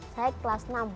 saya kelas enam